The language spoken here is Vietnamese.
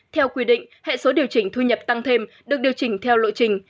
theo quy định hệ số điều chỉnh thu nhập tăng thêm được điều chỉnh theo lộ trình